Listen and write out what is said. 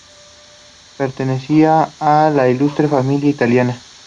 Pertenecía a una ilustre familia italiana.